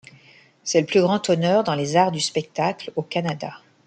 C'est le plus grand honneur dans les arts du spectacle au Canada.